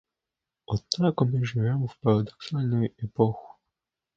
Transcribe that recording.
Однако мы живем в парадоксальную эпоху.